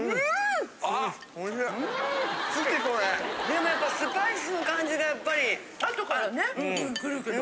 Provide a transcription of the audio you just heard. でもやっぱりスパイスの感じがやっぱり。後からねくるけど。